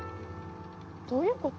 どういうこと？